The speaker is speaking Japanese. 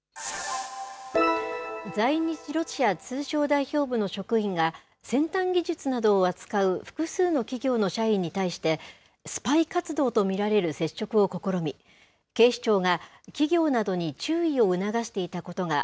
在日ロシア通商代表部の職員が、先端技術などを扱う複数の企業の社員に対して、スパイ活動と見られる接触を試み、警視庁が企業などに注意を促していたことが、